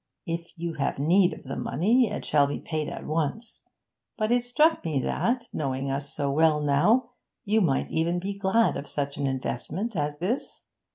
If you have need of the money, it shall be paid at once. But it struck me that, knowing us so well now, you might even be glad of such an investment as this.